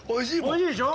おいしいでしょ。